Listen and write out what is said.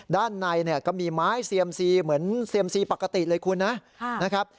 ด้านในเนี่ยก็มีไม้เซียมซีเหมือนเซียมซีปกติเลยคุณนะครับ